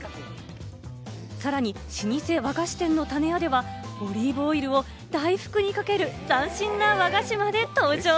さらに老舗和菓子店のたねやでは、オリーブオイルを大福にかける斬新な和菓子まで登場。